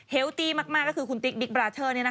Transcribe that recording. ตี้มากก็คือคุณติ๊กบิ๊กบราเชอร์